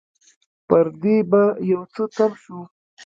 پر دې به يو څه تم شو.